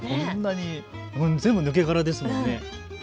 全部抜け殻ですもんね。